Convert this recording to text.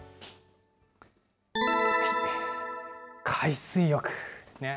海水浴。